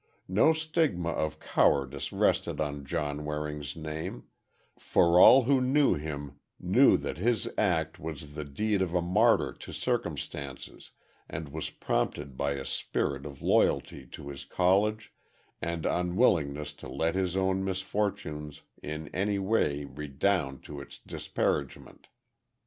No stigma of cowardice rested on John Waring's name, for all who knew him knew that his act was the deed of a martyr to circumstances and was prompted by a spirit of loyalty to his College and unwillingness to let his own misfortunes in any way redound to its disparagement.